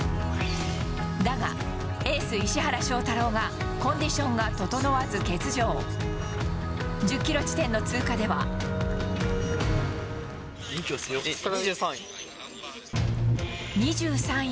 だが、エース、石原翔太郎がコンディションが整わず、欠場。え、２３位。